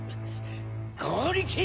剛力！